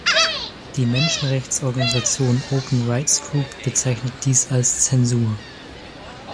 Die Menschenrechtsorganisation Open Rights Group bezeichnet dies als "Zensur".